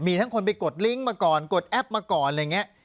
มีทั้งคนไปกดลิงก์มาก่อนกดแอปมาก่อนอะไรอย่างนี้